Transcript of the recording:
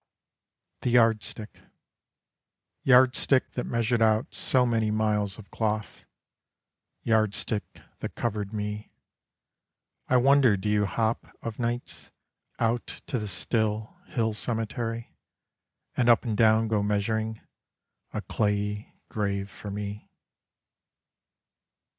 THE YARDSTICK Yardstick that measured out so many miles of cloth, Yardstick that covered me, I wonder do you hop of nights Out to the still hill cemetery, And up and down go measuring A clayey grave for me?